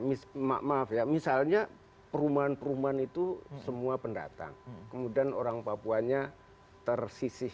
miss maaf ya misalnya perumahan perumahan itu semua pendatang kemudian orang papuanya tersisih